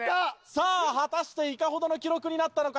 さあ果たしていかほどの記録になったのか？